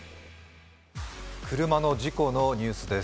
車の事故のニュースです。